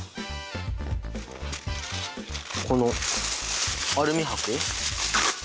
このアルミ箔。